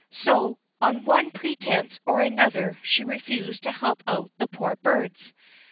So, on one pretense or another she refused to help the poor birds.